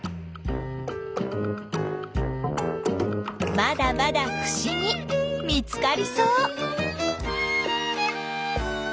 まだまだふしぎ見つかりそう。